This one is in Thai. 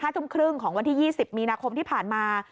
ทุ่มครึ่งของวันที่๒๐มีนาคมที่ผ่านมา